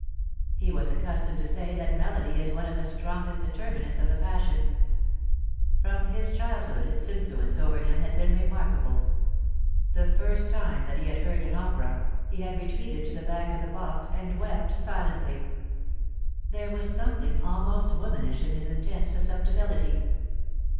He was accustomed to say that melody is one of the strongest determinants of the passions. From his childhood its influence over him had been remarkable. The first time that he had heard an opera, he had retreated to the back of the box and wept silently. There was something almost womanish in his intense susceptibility.